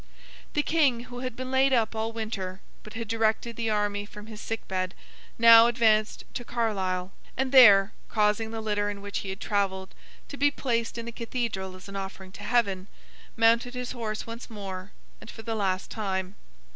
The King, who had been laid up all the winter, but had directed the army from his sick bed, now advanced to Carlisle, and there, causing the litter in which he had travelled to be placed in the Cathedral as an offering to Heaven, mounted his horse once more, and for the last time.